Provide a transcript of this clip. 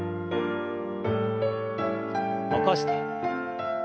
起こして。